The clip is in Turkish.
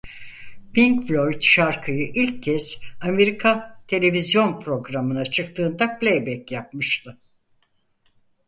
Pink Floyd şarkıyı ilk kez Amerika televizyon programına çıktığında playback yapmıştı.